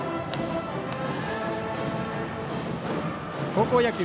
高校野球